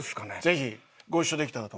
ぜひご一緒できたらと。